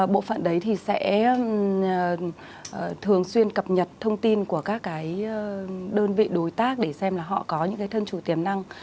bộ phận đấy thì sẽ thường xuyên cập nhật thông tin của các cái đơn vị đối tác để xem là họ có những cái thân chủ tiềm năng